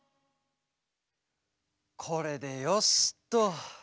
これでよしっと。